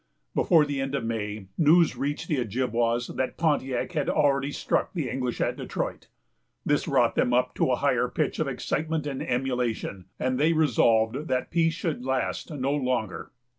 Before the end of May, news reached the Ojibwas that Pontiac had already struck the English at Detroit. This wrought them up to a high pitch of excitement and emulation, and they resolved that peace should last no longer.